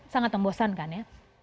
sangat membosankan ya